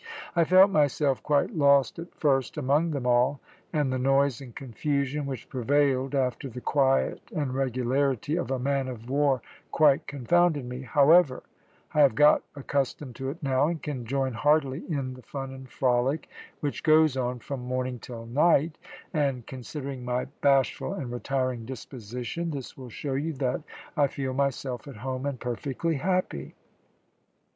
I felt myself quite lost at first among them all, and the noise and confusion which prevailed after the quiet and regularity of a man of war quite confounded me; however, I have got accustomed to it now, and can join heartily in the fun and frolic which goes on from morning till night, and considering my bashful and retiring disposition, this will show you that I feel myself at home and perfectly happy."